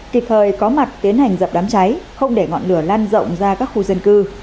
kịp thời có mặt tiến hành dập đám cháy không để ngọn lửa lan rộng ra các khu dân cư